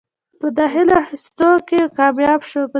پۀ داخله اخستو کښې کامياب شو ۔